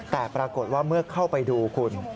แต่ปรากฏว่าเมื่อเข้าไปดูคุณ